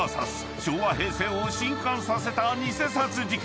昭和・平成を震撼させた偽札事件。